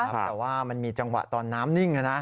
แต่ว่ามันมีจังหวะตอนน้ำนิ่ง